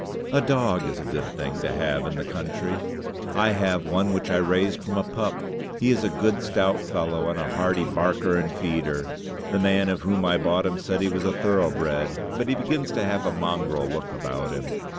A dog is a good thing to have in the country. I have one which I raised from a pup. He is a good, stout fellow, and a hearty barker and feeder. The man of whom I bought him said he was thoroughbred, but he begins to have a mongrel look about him.